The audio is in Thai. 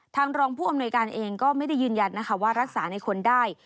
รองผู้อำนวยการเองก็ไม่ได้ยืนยันนะคะว่ารักษาในคนได้